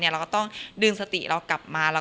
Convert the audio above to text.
เราก็ต้องดึงสติเรากลับมา